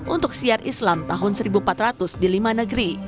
untuk syiar islam tahun seribu empat ratus di lima negeri